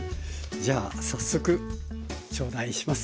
じゃあ早速頂戴します。